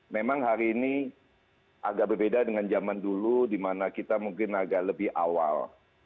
memang hari ini agak berbeda dengan zaman dulu di mana kita mungkin agak lebih awal